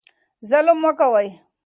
ظلم مه کوئ.